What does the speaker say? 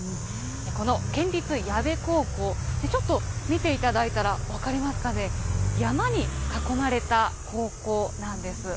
この県立矢部高校、ちょっと見ていただいたら分かりますかね、山に囲まれた高校なんです。